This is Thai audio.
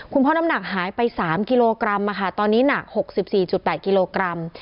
คุณพ่อน้ำหนักหายไปสามกิโลกรัมอ่ะค่ะตอนนี้หนักหกสิบสี่จุดแปดกิโลกรัม